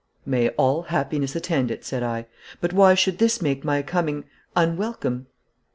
'May all happiness attend it!' said I. 'But why should this make my coming unwelcome?'